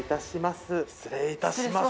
失礼いたします。